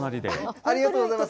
ありがとうございます。